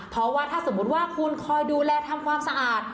เพราะว่าถ้าสมมุติว่าคุณคอยดูแลทำความสะอาด